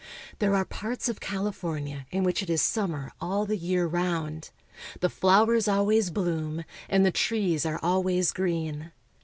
There are parts of California in which it is sum mer all the year round. The flowers always bloom, and the trees are always green.